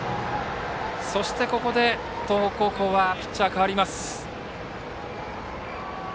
そして、ここで東北高校はピッチャーが代わります。